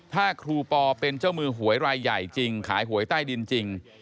ถ้าครูปอเป็นเจ้ามือหวยรายใหญ่จริงขายหวยใต้ดินจริง